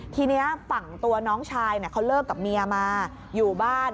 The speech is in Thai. ทีนี้ฝั่งตัวน้องชายเขาเลิกกับเมียมาอยู่บ้าน